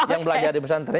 yang belajar di pesantren